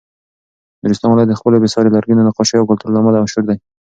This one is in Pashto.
نورستان ولایت د خپلو بې ساري لرګینو نقاشیو او کلتور له امله مشهور دی.